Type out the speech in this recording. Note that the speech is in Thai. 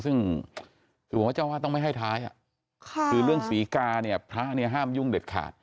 ซึ่งถือว่าเจ้าวาดต้องไม่ให้ท้ายคือเรื่องศรีกาเนี่ยพระเนี่ยห้ามยุ่งเด็ดขาด